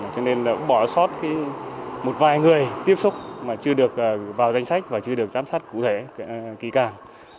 cho nên bỏ sót một vài người tiếp xúc mà chưa được vào danh sách và chưa được giám sát cụ thể kỳ cào